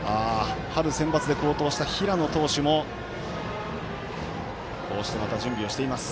春センバツで好投した平野投手もこうして準備をしています。